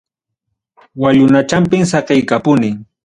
Wallunachampim saqiykapuni.